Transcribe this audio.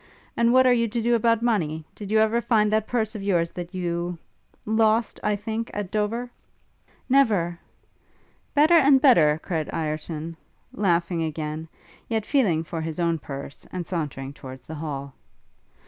And what are you to do about money? Did you ever find that purse of yours that you lost, I think, at Dover?' 'Never!' 'Better and better!' cried Ireton, laughing again, yet feeling for his own purse, and sauntering towards the hall.